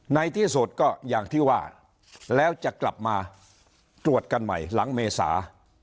ในที่สุดก็อย่างที่ว่าแล้วจะกลับมาตรวจกันใหม่หลังเมษา